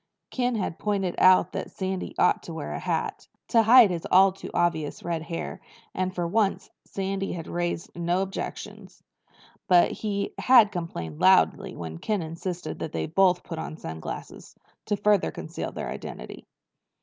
Ken had pointed out that Sandy ought to wear a hat, to hide his all too obvious red hair, and for once Sandy had raised no objections. But he had complained loudly when Ken insisted that they both put on sunglasses, to further conceal their identity.